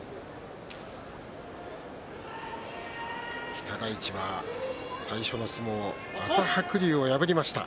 北大地は最初の相撲朝白龍を破りました。